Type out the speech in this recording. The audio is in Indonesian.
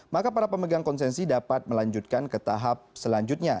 maka para pemegang konsensi dapat melanjutkan ke tahap selanjutnya